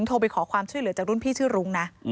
โทรไปขอความช่วยเหลือจากรุ่นพี่ชื่อรุ้งนะ